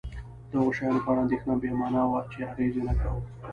د هغو شیانو په اړه اندېښنه بې مانا وه چې اغېز یې نه کاوه.